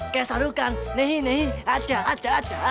kayak sarukan nehi nehi ajar ajar ajar ajar